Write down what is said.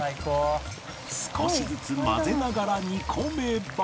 少しずつ混ぜながら煮込めば